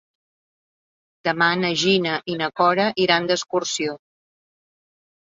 Demà na Gina i na Cora iran d'excursió.